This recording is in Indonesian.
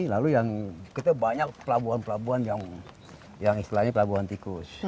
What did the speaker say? lalu yang kita banyak pelabuhan pelabuhan yang istilahnya pelabuhan tikus